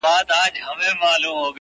د کسمیر لوري د کابل او د ګواه لوري _